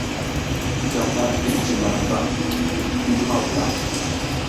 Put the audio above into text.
Gamba i jiji malamba cuncu ma vula.